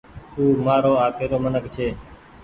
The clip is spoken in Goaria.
او مآرو آپيري منک ڇي